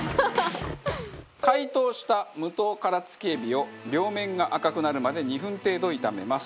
解凍した無頭殻付きえびを両面が赤くなるまで２分程度、炒めます。